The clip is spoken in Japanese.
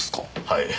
はい。